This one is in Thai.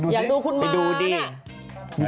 อยากดูคุณน้ำพา